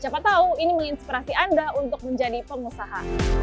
siapa tahu ini menginspirasi anda untuk menjadi pengusaha